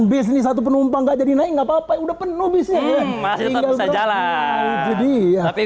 bisnis satu penumpang gak jadi naik nggak papa udah penuh bisnis masih bisa jalan jadi tapi